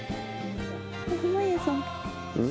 濱家さん。